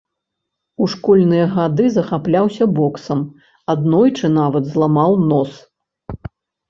У школьныя гады захапляўся боксам, аднойчы нават зламаў нос.